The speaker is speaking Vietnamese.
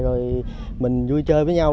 rồi mình vui chơi với nhau